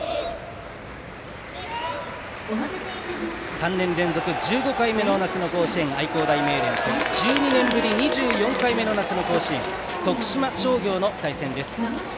３年連続１５回目の夏の甲子園、愛工大名電と１２年ぶり２４回目の夏の甲子園徳島商業の対戦です。